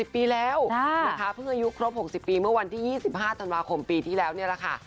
ปีแล้วนะคะเพิ่งอายุครบ๖๐ปีเมื่อวันที่๒๕ธันวาคมปีที่แล้วนี่แหละค่ะ